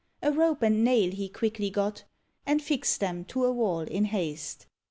A rope and nail he quickly got, And fixed them to a wall in haste.